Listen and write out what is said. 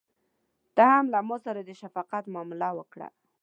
ته هم له ماسره د شفقت معامله وکړه.